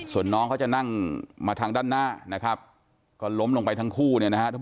ส่วนน้องเขาจะนั่งมาทางด้านหน้าก็ล้มลงไปทั้งคู่